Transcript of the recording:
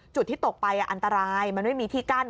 จุดที่ตกไปอันตรายมันไม่มีที่กั้น